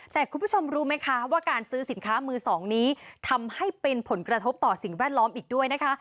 แต่คุณผู้ชมรู้ไหมคะว่าการซื้อสินค้ามือสองนี้ทำให้เป็นผลกระทบต่อสิ่งแวดล้อมอีกด้วยนะคะ